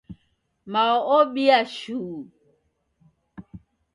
Mao obia shuu